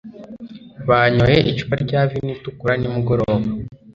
Banyoye icupa rya vino itukura nimugoroba.